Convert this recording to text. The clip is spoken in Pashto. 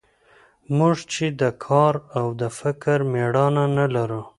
موږ چې د کار او د فکر مېړانه نه لرو.